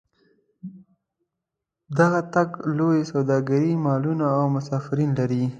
دغه تګ لوري سوداګرۍ مالونه او مسافرین لري.